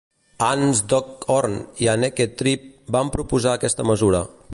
Hans Dockhorn i Anneke Treep van proposar aquesta mesura.